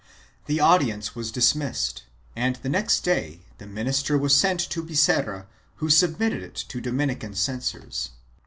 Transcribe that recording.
The audience was dismissed and the next day the MS. was sent to Biserra who submitted it to Dominican censors.